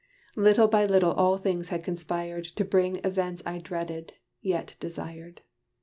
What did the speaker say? Little by little all things had conspired, To bring events I dreaded, yet desired.